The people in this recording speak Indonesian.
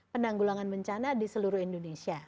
penanggulangan bencana di seluruh indonesia